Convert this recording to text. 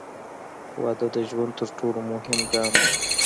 • واده د ژوند تر ټولو مهم ګام دی.